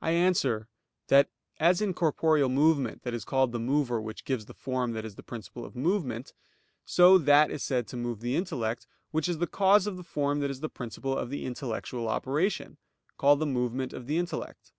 I answer that, As in corporeal movement that is called the mover which gives the form that is the principle of movement, so that is said to move the intellect, which is the cause of the form that is the principle of the intellectual operation, called the movement of the intellect.